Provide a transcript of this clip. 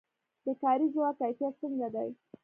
د کاري ځواک کیفیت څنګه دی؟